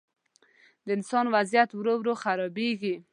د انسان وضعیت ورو، ورو خرابېږي.